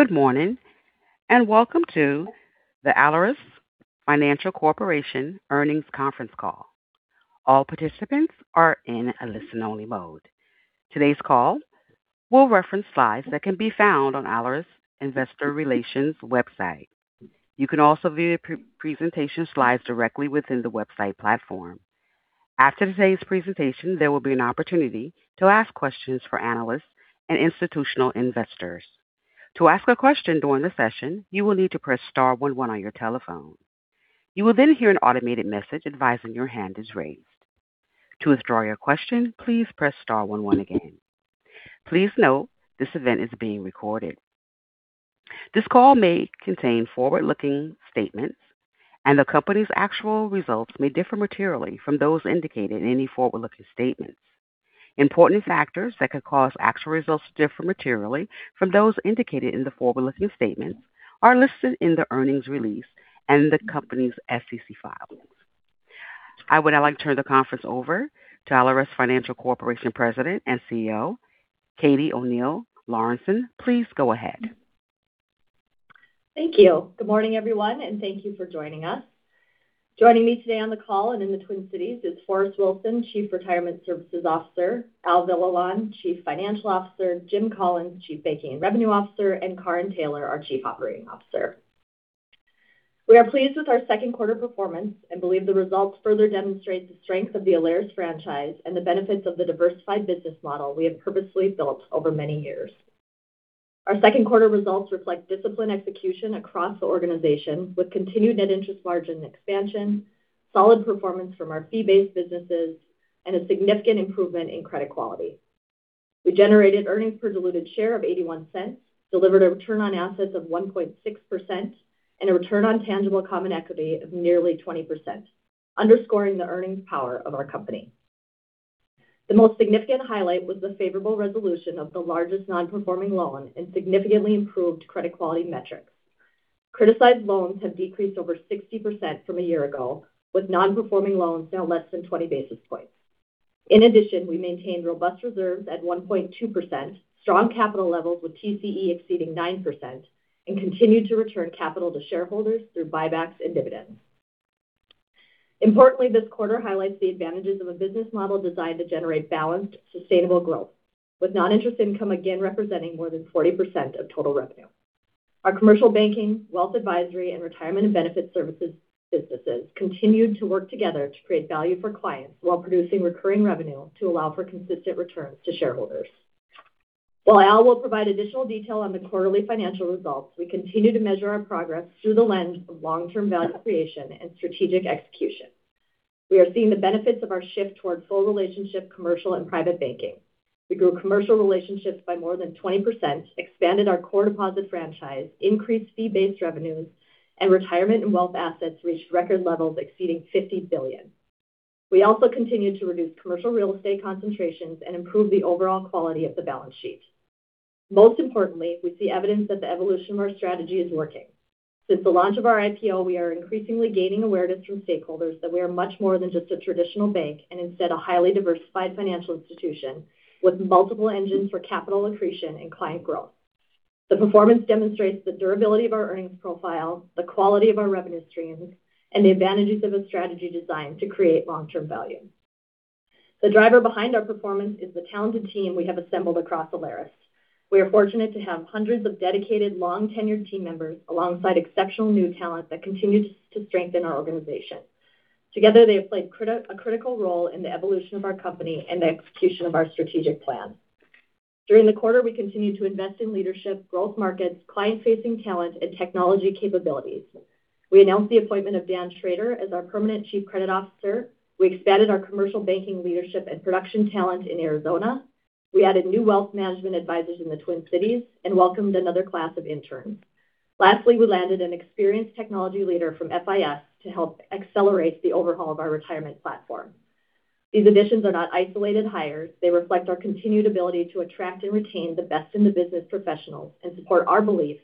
Good morning, and welcome to the Alerus Financial Corporation earnings conference call. All participants are in a listen only mode. Today's call will reference slides that can be found on Alerus investor relations website. You can also view the presentation slides directly within the website platform. After today's presentation, there will be an opportunity to ask questions for analysts and institutional investors. To ask a question during the session, you will need to press star one one on your telephone. You will then hear an automated message advising your hand is raised. To withdraw your question, please press star one one again. Please note this event is being recorded. This call may contain forward-looking statements, and the company's actual results may differ materially from those indicated in any forward-looking statements. Important factors that could cause actual results to differ materially from those indicated in the forward-looking statements are listed in the earnings release and the company's SEC filings. I would now like to turn the conference over to Alerus Financial Corporation President and CEO, Katie O'Neill Lorenson. Please go ahead. Thank you. Good morning, everyone, and thank you for joining us. Joining me today on the call and in the Twin Cities is Forrest Wilson, Chief Retirement Services Officer, Al Villalon, Chief Financial Officer, Jim Collins, Chief Banking and Revenue Officer, and Karin Taylor, our Chief Operating Officer. We are pleased with our second quarter performance and believe the results further demonstrate the strength of the Alerus franchise and the benefits of the diversified business model we have purposefully built over many years. Our second quarter results reflect disciplined execution across the organization, with continued net interest margin expansion, solid performance from our fee-based businesses, and a significant improvement in credit quality. We generated earnings per diluted share of $0.81, delivered a return on assets of 1.6% and a return on tangible common equity of nearly 20%, underscoring the earnings power of our company. The most significant highlight was the favorable resolution of the largest non-performing loan and significantly improved credit quality metrics. Criticized loans have decreased over 60% from a year ago, with non-performing loans now less than 20 basis points. In addition, we maintained robust reserves at 1.2%, strong capital levels with TCE exceeding 9%, and continued to return capital to shareholders through buybacks and dividends. Importantly, this quarter highlights the advantages of a business model designed to generate balanced, sustainable growth with non-interest income again representing more than 40% of total revenue. Our commercial banking, wealth advisory, and retirement and benefits services businesses continued to work together to create value for clients while producing recurring revenue to allow for consistent returns to shareholders. While Al will provide additional detail on the quarterly financial results, we continue to measure our progress through the lens of long-term value creation and strategic execution. We are seeing the benefits of our shift towards full relationship commercial and private banking. We grew commercial relationships by more than 20%, expanded our core deposit franchise, increased fee-based revenues, and retirement and wealth assets reached record levels exceeding $50 billion. We also continued to reduce commercial real estate concentrations and improve the overall quality of the balance sheet. Most importantly, we see evidence that the evolution of our strategy is working. Since the launch of our IPO, we are increasingly gaining awareness from stakeholders that we are much more than just a traditional bank and instead a highly diversified financial institution with multiple engines for capital accretion and client growth. The performance demonstrates the durability of our earnings profile, the quality of our revenue streams, and the advantages of a strategy designed to create long-term value. The driver behind our performance is the talented team we have assembled across Alerus. We are fortunate to have hundreds of dedicated, long-tenured team members alongside exceptional new talent that continues to strengthen our organization. Together, they have played a critical role in the evolution of our company and the execution of our strategic plan. During the quarter, we continued to invest in leadership, growth markets, client-facing talent, and technology capabilities. We announced the appointment of Dan Schroeder as our permanent Chief Credit Officer. We expanded our commercial banking leadership and production talent in Arizona. We added new wealth management advisors in the Twin Cities and welcomed another class of interns. Lastly, we landed an experienced technology leader from FIS to help accelerate the overhaul of our retirement platform. These additions are not isolated hires. They reflect our continued ability to attract and retain the best-in-the-business professionals and support our belief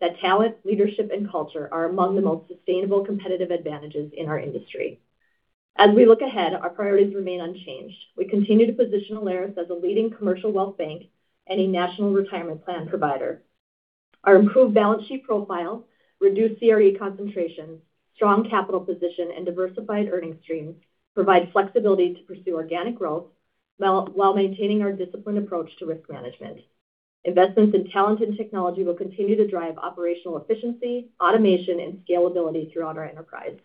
that talent, leadership, and culture are among the most sustainable competitive advantages in our industry. As we look ahead, our priorities remain unchanged. We continue to position Alerus as a leading commercial wealth bank and a national retirement plan provider. Our improved balance sheet profile, reduced CRE concentrations, strong capital position, and diversified earnings streams provide flexibility to pursue organic growth while maintaining our disciplined approach to risk management. Investments in talent and technology will continue to drive operational efficiency, automation, and scalability throughout our enterprise.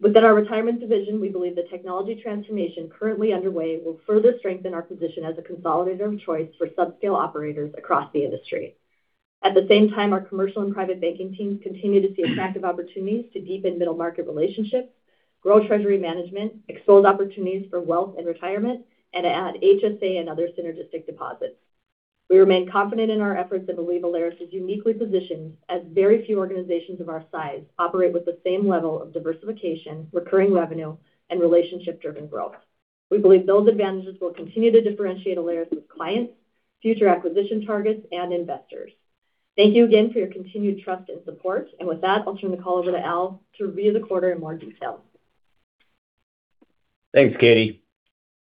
Within our retirement division, we believe the technology transformation currently underway will further strengthen our position as a consolidator of choice for subscale operators across the industry. At the same time, our commercial and private banking teams continue to see attractive opportunities to deepen middle market relationships, grow treasury management, expose opportunities for wealth and retirement, and add HSA and other synergistic deposits. We remain confident in our efforts and believe Alerus is uniquely positioned as very few organizations of our size operate with the same level of diversification, recurring revenue, and relationship-driven growth. We believe those advantages will continue to differentiate Alerus with clients, future acquisition targets, and investors. Thank you again for your continued trust and support. With that, I'll turn the call over to Al to review the quarter in more detail. Thanks, Katie.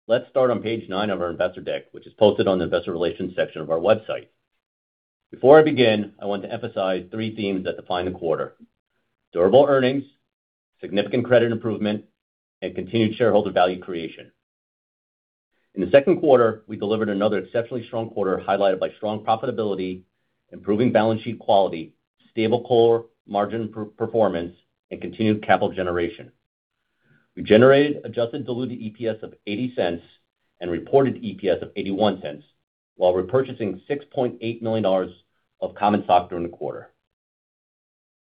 Let's start on page nine of our investor deck, which is posted on the investor relations section of our website. Before I begin, I want to emphasize three themes that define the quarter: durable earnings, significant credit improvement, and continued shareholder value creation. In the second quarter, we delivered another exceptionally strong quarter highlighted by strong profitability, improving balance sheet quality, stable core margin performance, and continued capital generation. We generated adjusted diluted EPS of $0.80 and reported EPS of $0.81, while repurchasing $6.8 million of common stock during the quarter.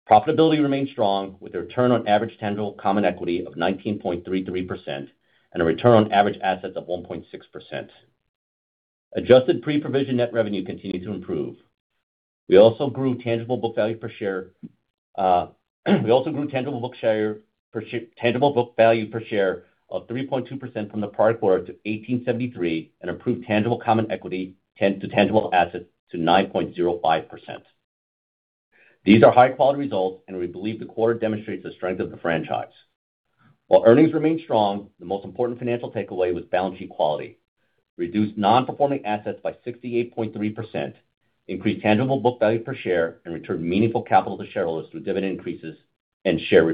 Profitability remained strong with a return on average tangible common equity of 19.33% and a return on average assets of 1.6%. Adjusted pre-provision net revenue continued to improve. We also grew tangible book value per share of 3.2% from the prior quarter to $18.73, and improved tangible common equity to tangible assets to 9.05%. These are high-quality results. We believe the quarter demonstrates the strength of the franchise. While earnings remain strong, the most important financial takeaway was balance sheet quality. Reduced non-performing assets by 68.3%, increased tangible book value per share, and returned meaningful capital to shareholders through dividend increases and share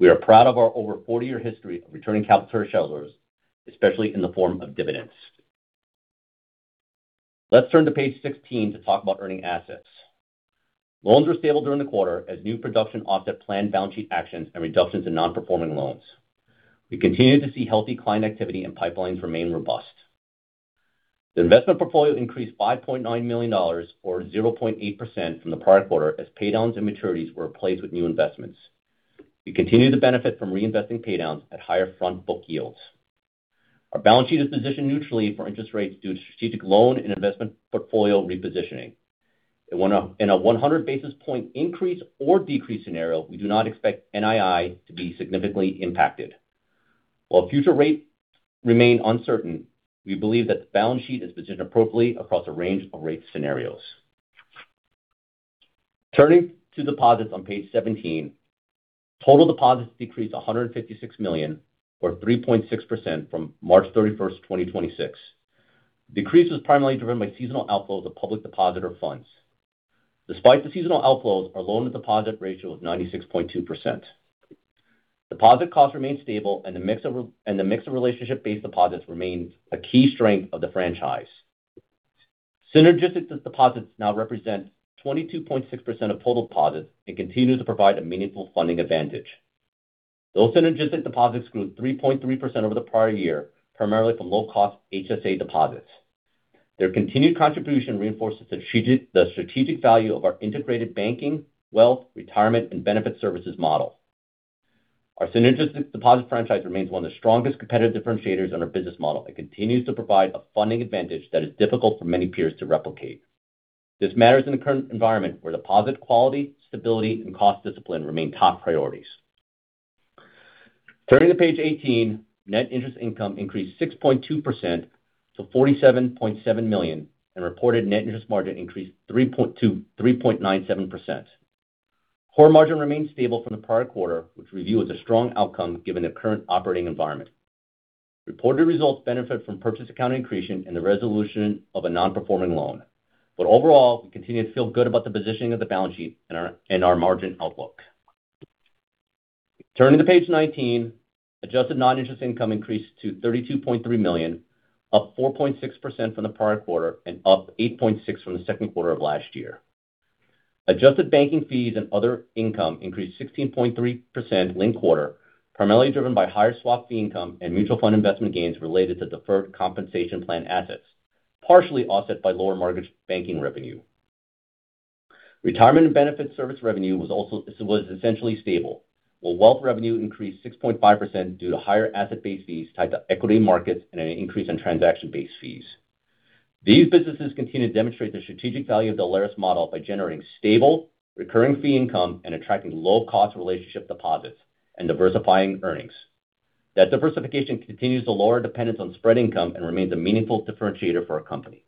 repurchases. We are proud of our over 40-year history of returning capital to shareholders, especially in the form of dividends. Let's turn to page 16 to talk about earning assets. Loans were stable during the quarter as new production offset planned balance sheet actions and reductions in non-performing loans. We continue to see healthy client activity and pipelines remain robust. The investment portfolio increased $5.9 million, or 0.8% from the prior quarter as paydowns and maturities were replaced with new investments. We continue to benefit from reinvesting paydowns at higher front book yields. Our balance sheet is positioned neutrally for interest rates due to strategic loan and investment portfolio repositioning. In a 100 basis point increase or decrease scenario, we do not expect NII to be significantly impacted. While future rates remain uncertain, we believe that the balance sheet is positioned appropriately across a range of rate scenarios. Turning to deposits on page 17. Total deposits decreased $156 million, or 3.6% from March 31st, 2026. The decrease was primarily driven by seasonal outflows of public depositor funds. Despite the seasonal outflows, our loan-to-deposit ratio is 96.2%. Deposit costs remain stable and the mix of relationship-based deposits remains a key strength of the franchise. Synergistic deposits now represent 22.6% of total deposits and continue to provide a meaningful funding advantage. Those synergistic deposits grew 3.3% over the prior year, primarily from low-cost HSA deposits. Their continued contribution reinforces the strategic value of our integrated banking, wealth, retirement, and benefit services model. Our synergistic deposit franchise remains one of the strongest competitive differentiators in our business model and continues to provide a funding advantage that is difficult for many peers to replicate. This matters in the current environment where deposit quality, stability, and cost discipline remain top priorities. Turning to page 18, net interest income increased 6.2% to $47.7 million and reported net interest margin increased 3.97%. Core margin remained stable from the prior quarter, which we view as a strong outcome given the current operating environment. Reported results benefit from purchase account accretion and the resolution of a non-performing loan. Overall, we continue to feel good about the positioning of the balance sheet and our margin outlook. Turning to page 19, adjusted non-interest income increased to $32.3 million, up 4.6% from the prior quarter and up 8.6% from the second quarter of last year. Adjusted banking fees and other income increased 16.3% linked quarter, primarily driven by higher swap fee income and mutual fund investment gains related to deferred compensation plan assets, partially offset by lower mortgage banking revenue. Retirement and benefit service revenue was essentially stable, while wealth revenue increased 6.5% due to higher asset-based fees tied to equity markets and an increase in transaction-based fees. These businesses continue to demonstrate the strategic value of Alerus's model by generating stable, recurring fee income and attracting low-cost relationship deposits and diversifying earnings. That diversification continues to lower dependence on spread income and remains a meaningful differentiator for our company.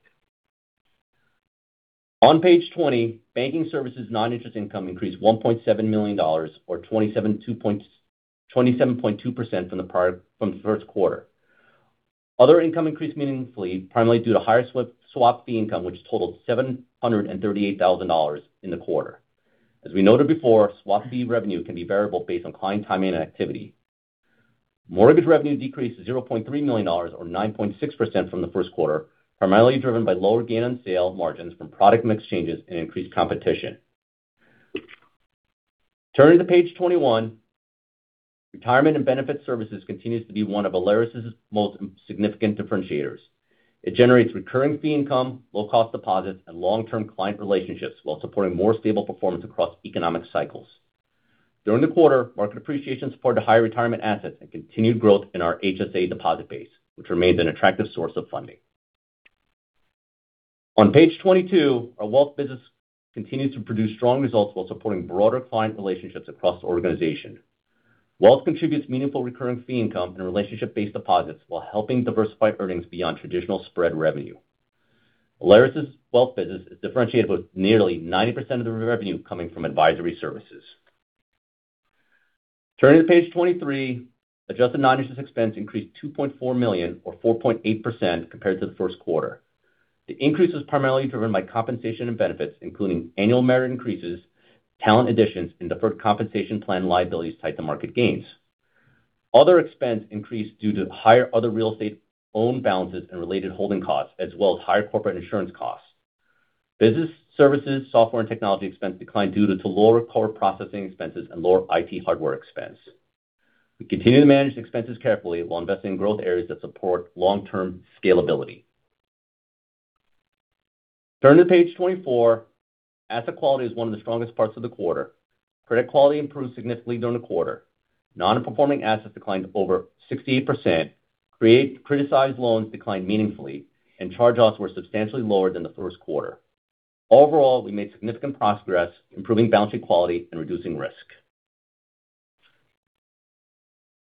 On page 20, banking services non-interest income increased $1.7 million, or 27.2% from the first quarter. Other income increased meaningfully, primarily due to higher swap fee income, which totaled $738,000 in the quarter. As we noted before, swap fee revenue can be variable based on client timing and activity. Mortgage revenue decreased to $0.3 million, or 9.6% from the first quarter, primarily driven by lower gain on sale margins from product mix changes and increased competition. Turning to page 21, retirement and benefits services continues to be one of Alerus's most significant differentiators. It generates recurring fee income, low cost deposits, and long-term client relationships while supporting more stable performance across economic cycles. During the quarter, market appreciation supported higher retirement assets and continued growth in our HSA deposit base, which remains an attractive source of funding. On page 22, our wealth business continues to produce strong results while supporting broader client relationships across the organization. Wealth contributes meaningful recurring fee income and relationship-based deposits while helping diversify earnings beyond traditional spread revenue. Alerus's wealth business is differentiated with nearly 90% of the revenue coming from advisory services. Turning to page 23, adjusted non-interest expense increased $2.4 million or 4.8% compared to the first quarter. The increase was primarily driven by compensation and benefits, including annual merit increases, talent additions, and deferred compensation plan liabilities tied to market gains. Other expense increased due to higher other real estate owned balances and related holding costs, as well as higher corporate insurance costs. Business services, software and technology expense declined due to lower core processing expenses and lower IT hardware expense. We continue to manage expenses carefully while investing in growth areas that support long-term scalability. Turning to page 24, asset quality is one of the strongest parts of the quarter. Credit quality improved significantly during the quarter. Non-performing assets declined over 68%, criticized loans declined meaningfully, and charge-offs were substantially lower than the first quarter. Overall, we made significant progress improving balance sheet quality and reducing risk.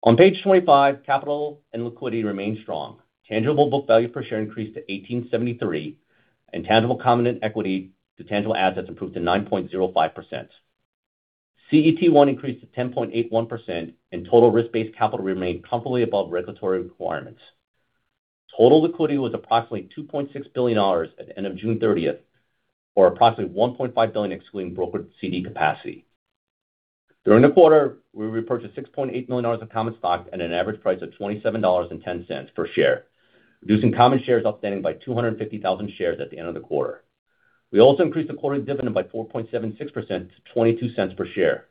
On page 25, capital and liquidity remain strong. Tangible book value per share increased to $18.73, and tangible common equity to tangible assets improved to 9.05%. CET1 increased to 10.81%, and total risk-based capital remained comfortably above regulatory requirements. Total liquidity was approximately $2.6 billion at the end of June 30th, or approximately $1.5 billion excluding brokered CD capacity. During the quarter, we repurchased $6.8 million of common stock at an average price of $27.10 per share, reducing common shares outstanding by 250,000 shares at the end of the quarter. We also increased the quarterly dividend by 4.76% to $0.22 per share.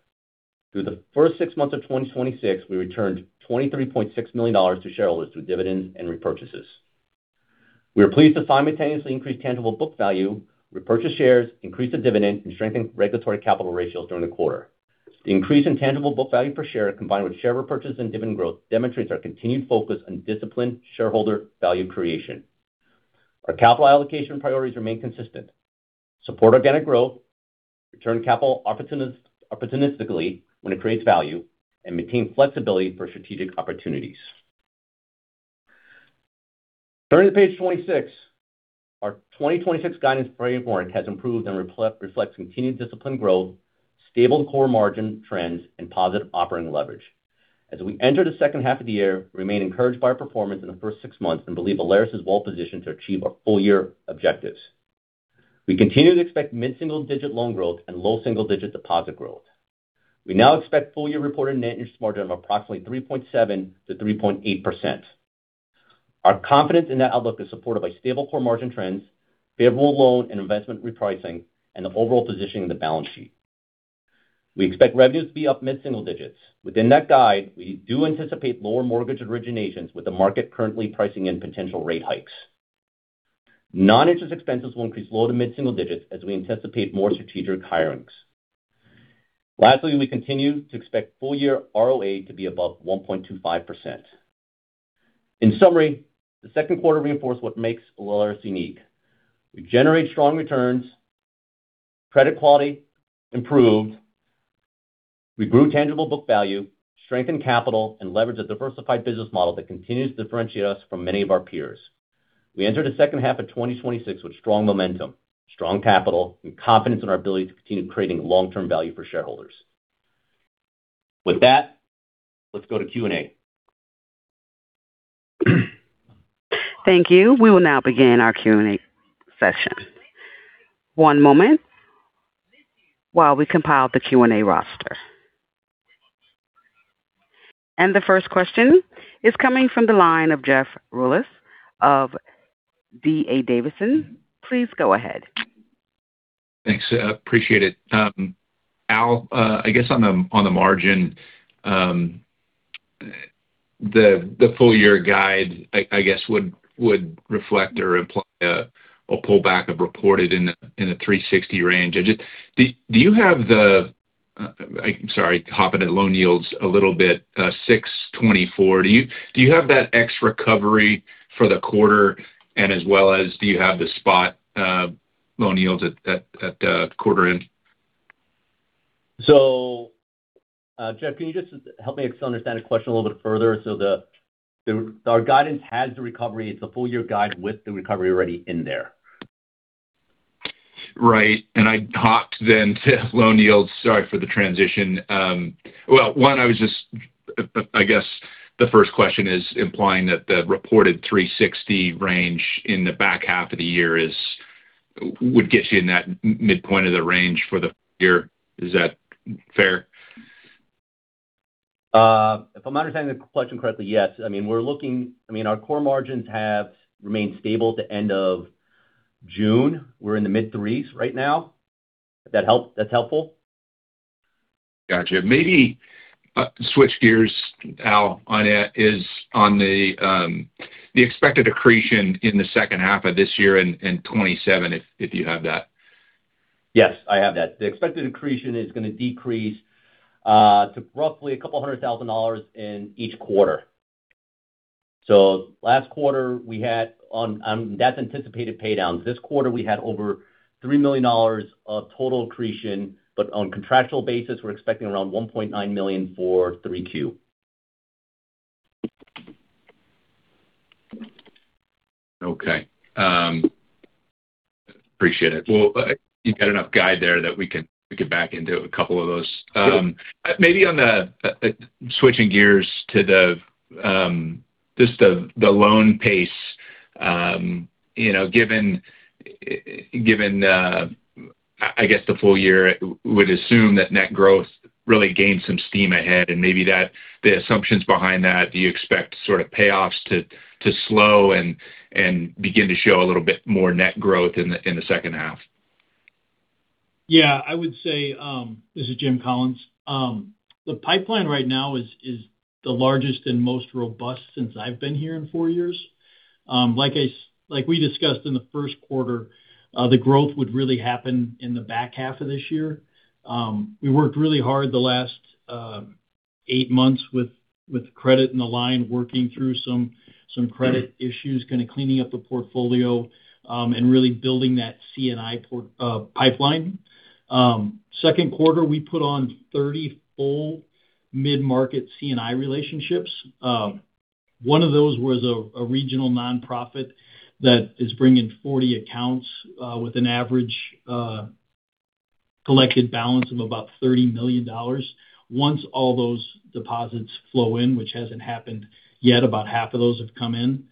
Through the first six months of 2026, we returned $23.6 million to shareholders through dividends and repurchases. We are pleased to simultaneously increase tangible book value, repurchase shares, increase the dividend, and strengthen regulatory capital ratios during the quarter. The increase in tangible book value per share, combined with share repurchase and dividend growth, demonstrates our continued focus on disciplined shareholder value creation. Our capital allocation priorities remain consistent. Support organic growth, return capital opportunistically when it creates value, and maintain flexibility for strategic opportunities. Turning to page 26, our 2026 guidance framework has improved and reflects continued disciplined growth, stable core margin trends, and positive operating leverage. As we enter the second half of the year, we remain encouraged by our performance in the first six months and believe Alerus is well-positioned to achieve our full-year objectives. We continue to expect mid-single-digit loan growth and low single-digit deposit growth. We now expect full-year reported net interest margin of approximately 3.7%-3.8%. Our confidence in that outlook is supported by stable core margin trends, favorable loan and investment repricing, and the overall positioning of the balance sheet. We expect revenues to be up mid-single digits. Within that guide, we do anticipate lower mortgage originations, with the market currently pricing in potential rate hikes. Non-interest expenses will increase low to mid-single digits as we anticipate more strategic hirings. Lastly, we continue to expect full-year ROA to be above 1.25%. In summary, the second quarter reinforced what makes Alerus unique. We generate strong returns, credit quality improved, we grew tangible book value, strengthened capital, and leveraged a diversified business model that continues to differentiate us from many of our peers. We enter the second half of 2026 with strong momentum, strong capital, and confidence in our ability to continue creating long-term value for shareholders. With that, let's go to Q&A. Thank you. We will now begin our Q&A session. One moment while we compile the Q&A roster. The first question is coming from the line of Jeff Rulis of D.A. Davidson. Please go ahead. Thanks. Appreciate it. Al, I guess on the margin, the full-year guide, I guess would reflect or imply a pullback of reported in the 360 range. Do you have the loan yields a little bit, 624. Do you have that ex recovery for the quarter? As well as do you have the spot loan yields at quarter end? Jeff, can you just help me understand the question a little bit further? Our guidance has the recovery. It's a full-year guide with the recovery already in there. Right. I hopped then to loan yields. Sorry for the transition. One, I guess the first question is implying that the reported 360 range in the back half of the year would get you in that midpoint of the range for the full year. Is that fair? If I'm understanding the question correctly, yes. Our core margins have remained stable at the end of June. We're in the mid-threes right now. That's helpful? Gotcha. Maybe switch gears, Al, on the expected accretion in the second half of this year and 2027, if you have that. Yes, I have that. The expected accretion is going to decrease to roughly a couple hundred thousand dollars in each quarter. Last quarter we had that's anticipated paydowns. This quarter we had over $3 million of total accretion. On contractual basis, we're expecting around $1.9 million for 3Q. Okay. Appreciate it. Well, you've got enough guide there that we can back into a couple of those. Sure. Maybe switching gears to just the loan pace. Given the full year, would assume that net growth really gained some steam ahead and maybe the assumptions behind that. Do you expect payoffs to slow and begin to show a little bit more net growth in the second half? Yeah, I would say, this is Jim Collins. The pipeline right now is the largest and most robust since I've been here in four years. Like we discussed in the first quarter, the growth would really happen in the back half of this year. We worked really hard the last eight months with credit and the line working through some credit issues, kind of cleaning up the portfolio, and really building that C&I pipeline. Second quarter, we put on 30 full mid-market C&I relationships. One of those was a regional nonprofit that is bringing 40 accounts with an average collected balance of about $30 million. Once all those deposits flow in, which hasn't happened yet, about half of those have come in.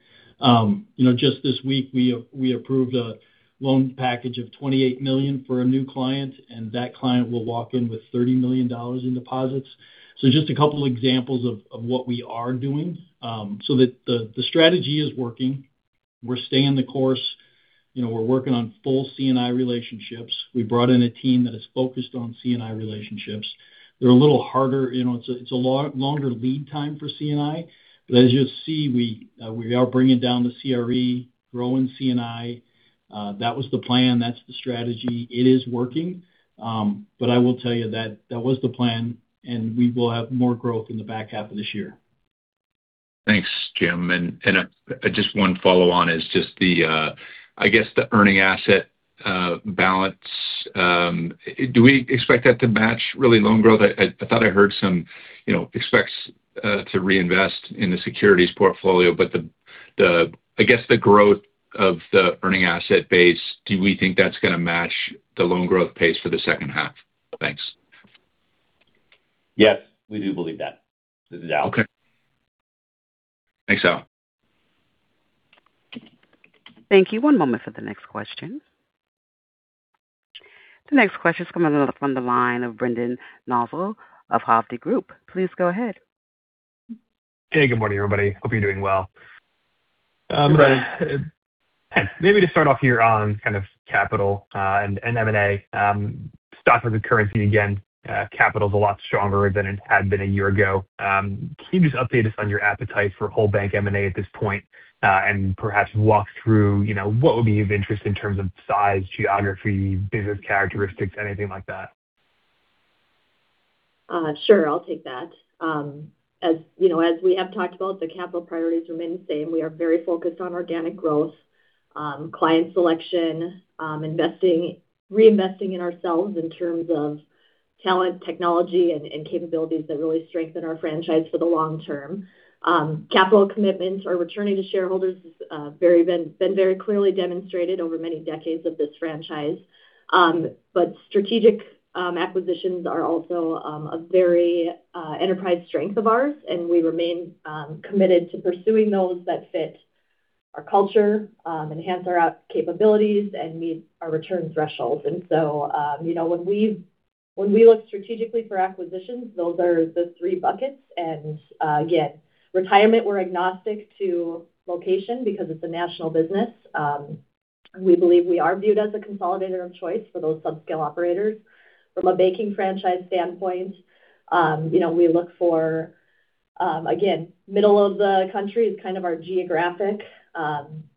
Just this week, we approved a loan package of $28 million for a new client, and that client will walk in with $30 million in deposits. Just a couple examples of what we are doing. The strategy is working. We're staying the course. We're working on full C&I relationships. We brought in a team that is focused on C&I relationships. They're a little harder. It's a longer lead time for C&I. As you'll see, we are bringing down the CRE, growing C&I. That was the plan. That's the strategy. It is working. I will tell you that that was the plan, and we will have more growth in the back half of this year. Thanks, Jim. Just one follow-on is just the earning asset balance. Do we expect that to match really loan growth? I thought I heard some expects to reinvest in the securities portfolio, I guess the growth of the earning asset base, do we think that's going to match the loan growth pace for the second half? Thanks. Yes, we do believe that. This is Al. Okay. Thanks, Al. Thank you. One moment for the next question. The next question is coming from the line of Brendan Nosal of Hovde Group. Please go ahead. Hey, good morning, everybody. Hope you're doing well. Hi Brendan. Maybe to start off here on kind of capital and M&A. Stock as a currency again. Capital's a lot stronger than it had been a year ago. Can you just update us on your appetite for whole bank M&A at this point? Perhaps walk through what would be of interest in terms of size, geography, business characteristics, anything like that. Sure. I'll take that. As we have talked about, the capital priorities remain the same. We are very focused on organic growth, client selection, reinvesting in ourselves in terms of talent, technology, and capabilities that really strengthen our franchise for the long-term. Capital commitments or returning to shareholders has been very clearly demonstrated over many decades of this franchise. Strategic acquisitions are also a very enterprise strength of ours, and we remain committed to pursuing those that fit our culture, enhance our capabilities, and meet our return thresholds. When we look strategically for acquisitions, those are the three buckets and again, retirement, we're agnostic to location because it's a national business. We believe we are viewed as a consolidator of choice for those sub-scale operators. From a banking franchise standpoint, we look for, again, middle of the country is kind of our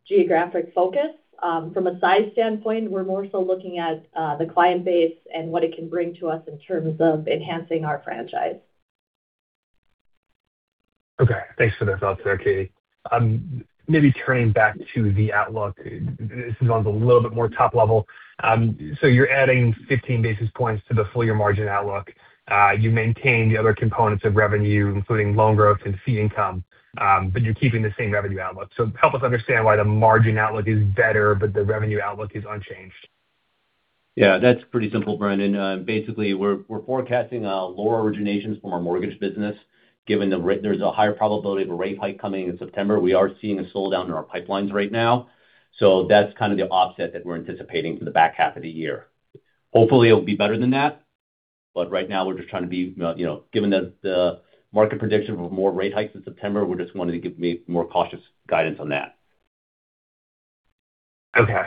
geographic focus. From a size standpoint, we're more so looking at the client base and what it can bring to us in terms of enhancing our franchise. Okay. Thanks for the thoughts there, Katie. Maybe turning back to the outlook. This is on the little bit more top level. You're adding 15 basis points to the full year margin outlook. You maintain the other components of revenue, including loan growth and fee income, you're keeping the same revenue outlook. Help us understand why the margin outlook is better, the revenue outlook is unchanged. Yeah, that's pretty simple, Brendan. Basically, we're forecasting lower originations from our mortgage business. Given there's a higher probability of a rate hike coming in September. We are seeing a slowdown in our pipelines right now. That's kind of the offset that we're anticipating for the back half of the year. Hopefully, it'll be better than that, right now given the market prediction of more rate hikes in September, we just wanted to give more cautious guidance on that. Okay.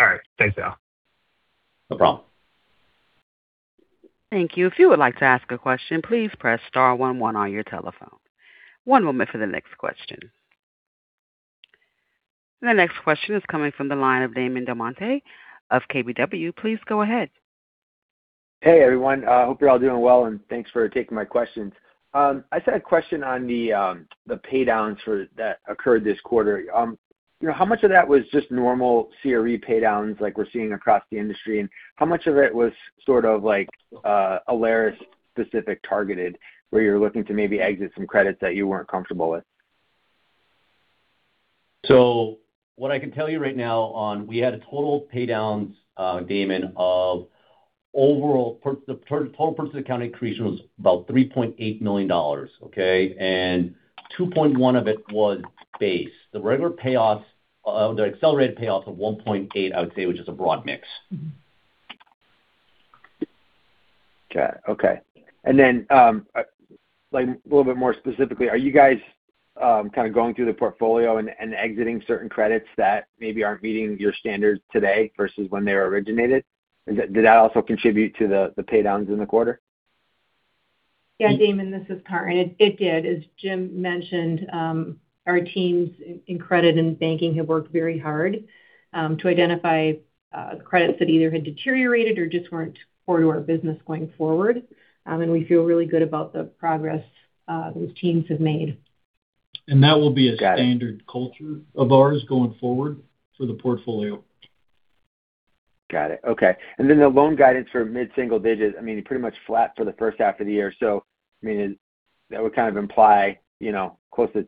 All right. Thanks, Al. No problem. Thank you. If you would like to ask a question, please press star one one on your telephone. One moment for the next question. The next question is coming from the line of Damon DelMonte of KBW. Please go ahead. Hey, everyone. Hope you're all doing well, and thanks for taking my questions. I just had a question on the paydowns that occurred this quarter. How much of that was just normal CRE paydowns like we're seeing across the industry? How much of it was sort of Alerus-specific targeted, where you're looking to maybe exit some credits that you weren't comfortable with? What I can tell you right now on, we had total paydowns, Damon. The total purchase accounting accretion was about $3.8 million. Okay. $2.1 million of it was base. The accelerated payoffs of $1.8 million, I would say, which is a broad mix. Okay. A little bit more specifically, are you guys kind of going through the portfolio and exiting certain credits that maybe aren't meeting your standards today versus when they were originated? Did that also contribute to the paydowns in the quarter? Yeah, Damon, this is Karin. It did. As Jim mentioned, our teams in credit and banking have worked very hard to identify credits that either had deteriorated or just weren't core to our business going forward. We feel really good about the progress those teams have made. That will be- Got it. a standard culture of ours going forward for the portfolio. Got it. Okay. Then the loan guidance for mid-single digits, I mean, pretty much flat for the first half of the year. That would kind of imply close to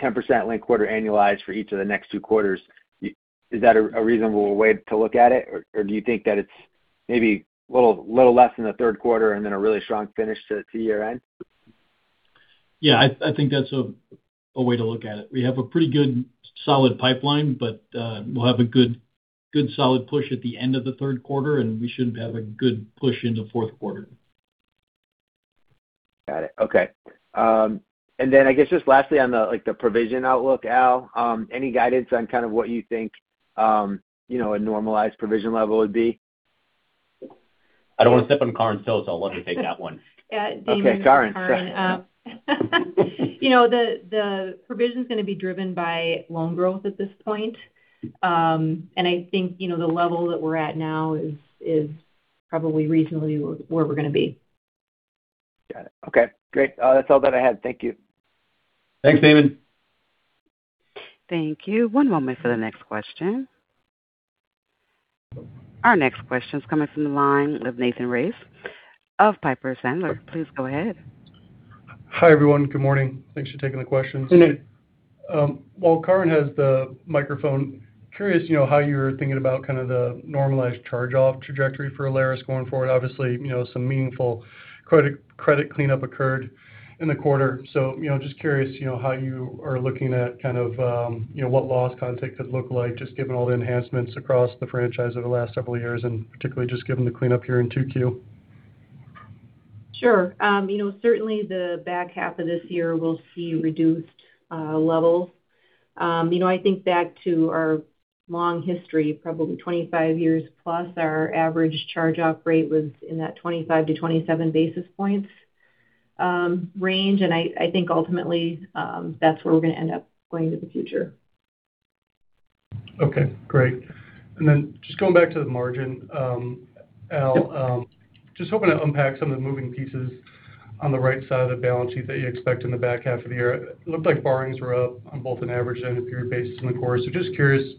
10% linked quarter annualized for each of the next two quarters. Is that a reasonable way to look at it? Or do you think that it's maybe a little less in the third quarter and then a really strong finish to year-end? Yeah, I think that's a way to look at it. We have a pretty good, solid pipeline, but we'll have a good, solid push at the end of the third quarter, and we should have a good push into fourth quarter. Got it. Okay. I guess just lastly on the provision outlook, Al, any guidance on kind of what you think a normalized provision level would be? I don't want to step on Karin's toes, so I'll let her take that one. Yeah. Damon. Okay, Karin. This is Karin. The provision's going to be driven by loan growth at this point. I think the level that we're at now is probably reasonably where we're going to be. Got it. Okay, great. That's all that I had. Thank you. Thanks, Damon. Thank you. One moment for the next question. Our next question's coming from the line of Nathan Race of Piper Sandler. Please go ahead. Hi, everyone. Good morning. Thanks for taking the questions. Good day. While Karin has the microphone, curious how you're thinking about the normalized charge-off trajectory for Alerus going forward. Obviously, some meaningful credit cleanup occurred in the quarter. Just curious how you are looking at what loss context could look like, just given all the enhancements across the franchise over the last several years, and particularly just given the cleanup here in 2Q. Sure. Certainly, the back half of this year will see reduced levels. I think back to our long history, probably 25 years plus, our average charge-off rate was in that 25-27 basis points range. I think ultimately, that's where we're going to end up going to the future. Okay, great. Just going back to the margin. Al, just hoping to unpack some of the moving pieces on the right side of the balance sheet that you expect in the back half of the year. It looked like borrowings were up on both an average and a period basis in the quarter. Just curious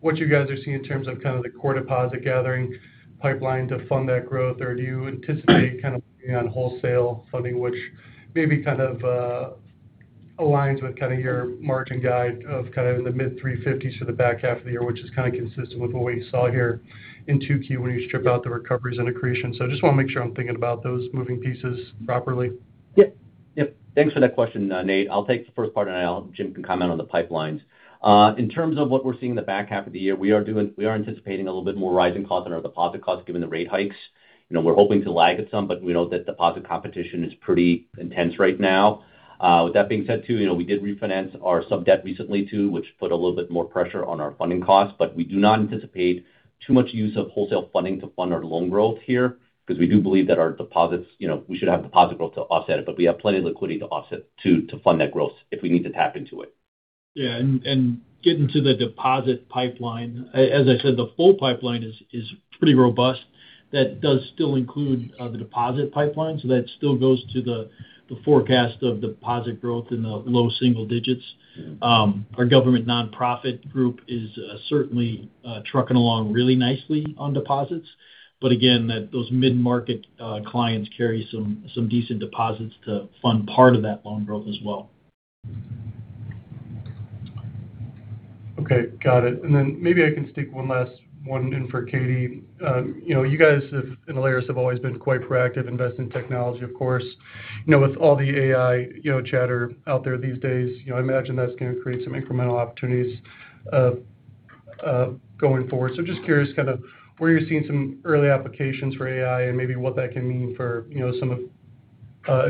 what you guys are seeing in terms of the core deposit gathering pipeline to fund that growth, or do you anticipate kind of working on wholesale funding, which maybe kind of aligns with your margin guide of kind of in the mid-350s for the back half of the year, which is kind of consistent with what we saw here in 2Q when you strip out the recoveries and accretion. I just want to make sure I'm thinking about those moving pieces properly. Yep. Thanks for that question, Nate. I'll take the first part. Jim can comment on the pipelines. In terms of what we're seeing in the back half of the year, we are anticipating a little bit more rise in cost on our deposit costs given the rate hikes. We're hoping to lag at some. We know that deposit competition is pretty intense right now. With that being said, too, we did refinance our sub-debt recently, too, which put a little bit more pressure on our funding costs. We do not anticipate too much use of wholesale funding to fund our loan growth here because we do believe that we should have deposit growth to offset it. We have plenty of liquidity to fund that growth if we need to tap into it. Yeah, getting to the deposit pipeline. As I said, the full pipeline is pretty robust. That does still include the deposit pipeline. That still goes to the forecast of deposit growth in the low single digits. Our government nonprofit group is certainly trucking along really nicely on deposits. Again, those mid-market clients carry some decent deposits to fund part of that loan growth as well. Okay, got it. Maybe I can stick one last one in for Katie. You guys in Alerus have always been quite proactive, invest in technology, of course. With all the AI chatter out there these days, I imagine that's going to create some incremental opportunities going forward. Just curious kind of where you're seeing some early applications for AI and maybe what that can mean for some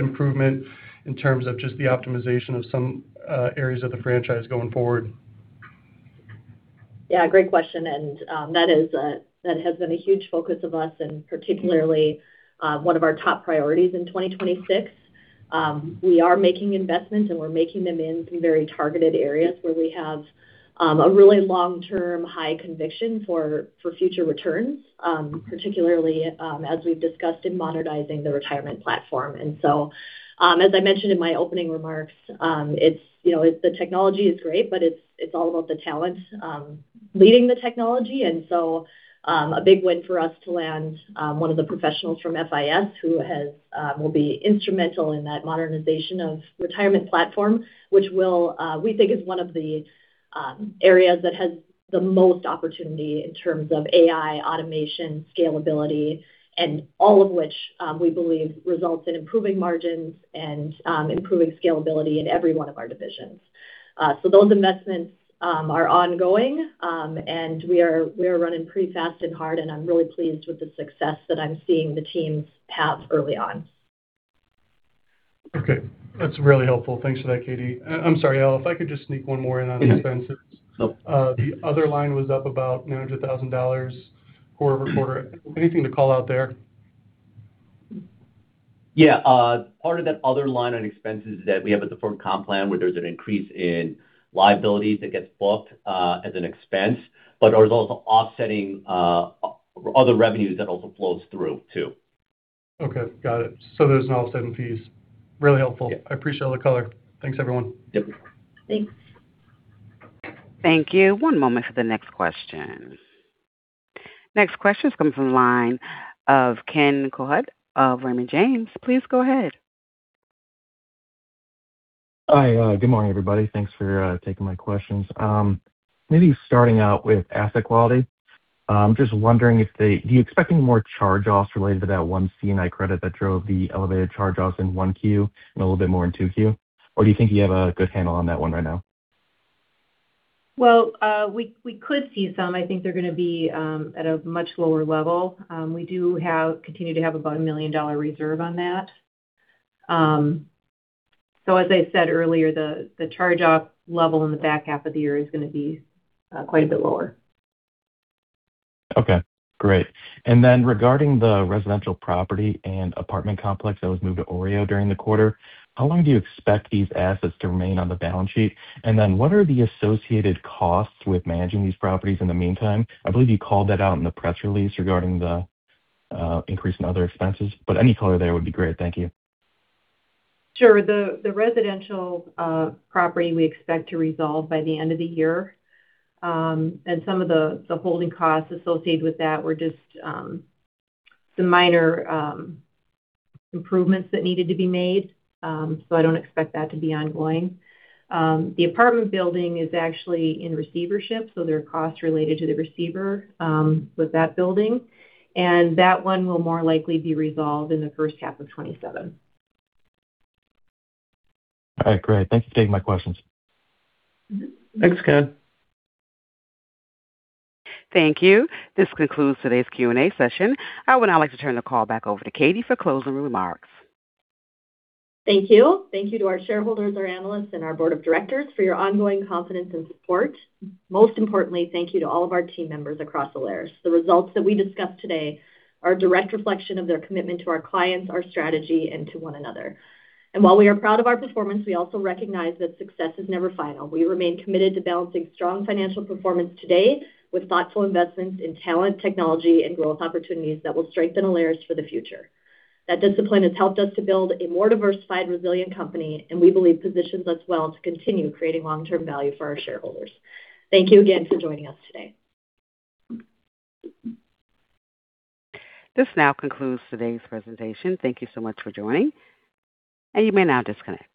improvement in terms of just the optimization of some areas of the franchise going forward. Great question. That has been a huge focus of us, and particularly one of our top priorities in 2026. We are making investments, we're making them in some very targeted areas where we have a really long-term high conviction for future returns, particularly as we've discussed in modernizing the retirement platform. As I mentioned in my opening remarks, the technology is great, but it's all about the talent leading the technology. A big win for us to land one of the professionals from FIS who will be instrumental in that modernization of retirement platform. Which we think is one of the areas that has the most opportunity in terms of AI, automation, scalability, and all of which we believe results in improving margins and improving scalability in every one of our divisions. Those investments are ongoing, and we are running pretty fast and hard, and I'm really pleased with the success that I'm seeing the teams have early on. Okay. That's really helpful. Thanks for that, Katie. I'm sorry, Al, if I could just sneak one more in on expenses. Yeah. The other line was up about $900,000 quarter-over-quarter. Anything to call out there? Yeah. Part of that other line on expenses is that we have a deferred comp plan where there's an increase in liabilities that gets booked as an expense, but there's also offsetting other revenues that also flows through, too. Okay, got it. There's an offsetting fees. Really helpful. Yeah. I appreciate all the color. Thanks, everyone. Yep. Thanks. Thank you. One moment for the next question. Next question comes from the line of Ken Novak of Raymond James. Please go ahead. Hi. Good morning, everybody. Thanks for taking my questions. Maybe starting out with asset quality. I'm just wondering do you expect any more charge-offs related to that one C&I credit that drove the elevated charge-offs in 1Q and a little bit more in 2Q, or do you think you have a good handle on that one right now? Well, we could see some. I think they're going to be at a much lower level. We do continue to have about a $1 million reserve on that. As I said earlier, the charge-off level in the back half of the year is going to be quite a bit lower. Okay, great. Regarding the residential property and apartment complex that was moved to OREO during the quarter, how long do you expect these assets to remain on the balance sheet? What are the associated costs with managing these properties in the meantime? I believe you called that out in the press release regarding the increase in other expenses, any color there would be great. Thank you. Sure. The residential property we expect to resolve by the end of the year. Some of the holding costs associated with that were just some minor improvements that needed to be made. I don't expect that to be ongoing. The apartment building is actually in receivership, there are costs related to the receiver with that building. That one will more likely be resolved in the first half of 2027. All right, great. Thank you for taking my questions. Thanks, Ken. Thank you. This concludes today's Q&A session. I would now like to turn the call back over to Katie for closing remarks. Thank you. Thank you to our shareholders, our analysts, and our board of directors for your ongoing confidence and support. Most importantly, thank you to all of our team members across Alerus. The results that we discussed today are a direct reflection of their commitment to our clients, our strategy, and to one another. While we are proud of our performance, we also recognize that success is never final. We remain committed to balancing strong financial performance today with thoughtful investments in talent, technology, and growth opportunities that will strengthen Alerus for the future. That discipline has helped us to build a more diversified, resilient company, and we believe positions us well to continue creating long-term value for our shareholders. Thank you again for joining us today. This now concludes today's presentation. Thank you so much for joining, and you may now disconnect.